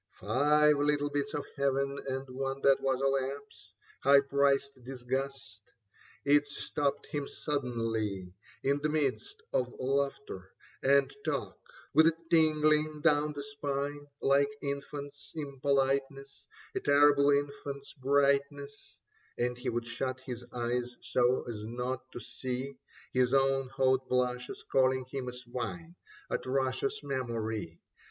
Five little bits of Heaven and one that was a lapse, High priced disgust : it stopped him suddenly In the midst of laughter and talk with a tingling down the spine (Like infants' impoliteness, a terrible infant's brightness), And he would shut his eyes so as not to see His own hot blushes calling him a swine. Atrocious memory